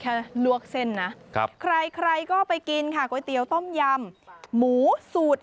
ใช่ลวกเส้นนะครับใครใครก็ไปกินค่ะก๋วยเตี๋ยวต้มยำหมูสูตร